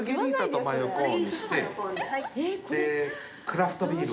でクラフトビールを。